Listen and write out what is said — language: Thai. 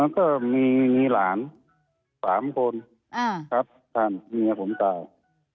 ก็มีหลาน๓คนครับท่านเมียผมตาย